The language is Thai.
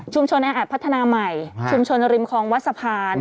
แออัดพัฒนาใหม่ชุมชนริมคลองวัดสะพาน